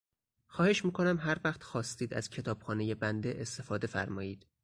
خواهش میکنم هر وقت خواستید از کتابخانهی بنده استفاده فرمایید.